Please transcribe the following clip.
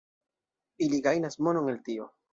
Ili gajnas monon el tio.